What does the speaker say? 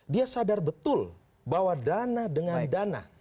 dia sadar betul bahwa dana dengan dana